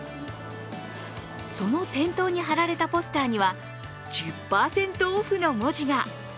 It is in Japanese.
その店頭に貼られたポスターには１０％オフの文字が。